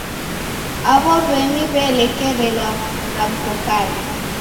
Aw'o w'omi w'elekerelwa mramko kana.